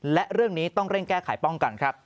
และเรื่องนี้ต้องเร่งแก้ไขป้องกันครับ